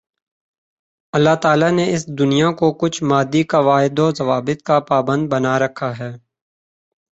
اللہ تعالیٰ نے اس دنیا کو کچھ مادی قواعد و ضوابط کا پابند بنا رکھا ہے